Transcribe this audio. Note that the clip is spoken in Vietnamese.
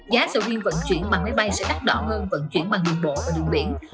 giá dầu die vận chuyển bằng máy bay sẽ đắt đỏ hơn vận chuyển bằng đường bộ và đường biển